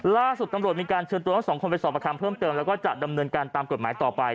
ล่าสุดตำรวจมีการเชิญตัวทั้งสองคนไปสอบประคำเพิ่มเติมแล้วก็จะดำเนินการตามกฎหมายต่อไป